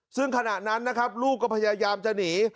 ซึ่งขณะนั้นนะครับลูกก็พยายามจะหนี